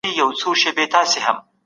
استازي د سيمې د خلګو ژوند ښه کوي.